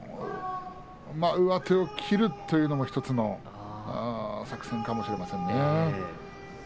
上手を切るというのも１つの作戦かもしれませんね。